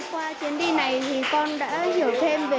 qua chuyến đi này thì con đã hiểu thêm về